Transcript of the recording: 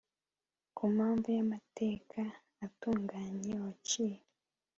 ku mpamvu y'amateka atunganye waciye